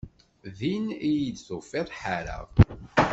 Din iyi-d tufiḍ ḥareɣ.